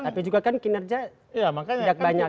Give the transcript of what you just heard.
tapi juga kan kinerja tidak banyak